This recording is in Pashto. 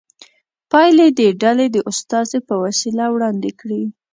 پایلې دې ډلې د استازي په وسیله وړاندې کړي.